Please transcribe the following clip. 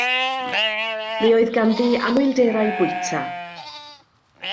Mi oedd ganddi anhwylderau bwyta.